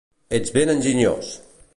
Ets ben enginyós!